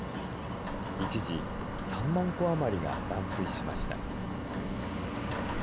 一時、３万戸余りが断水しました。